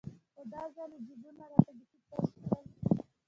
خو دا ځل يې جيبونه راته بيخي تش كړل.